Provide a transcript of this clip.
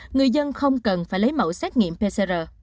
người dân không cần phải lấy mẫu xét nghiệm pcr